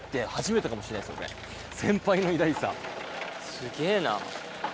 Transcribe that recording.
すげぇな。